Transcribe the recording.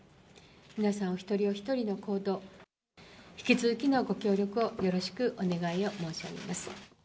皆さん、お一人お一人の行動、引き続きのご協力をよろしくお願いを申し上げます。